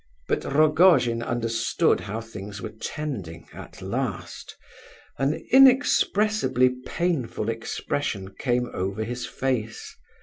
But Rogojin understood how things were tending, at last. An inexpressibly painful expression came over his face.